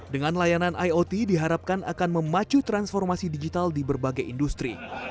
dengan layanan iot diharapkan akan memacu transformasi digital di berbagai industri